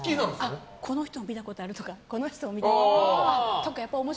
この人、見たことあるとかこの人も見たことあるとか。